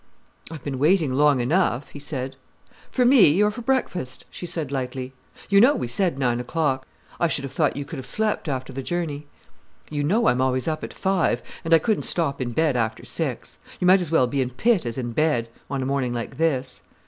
"I've been waiting long enough," he said. "For me or for breakfast?" she said lightly. "You know we said nine o'clock. I should have thought you could have slept after the journey." "You know I'm always up at five, and I couldn't stop in bed after six. You might as well be in pit as in bed, on a morning like this."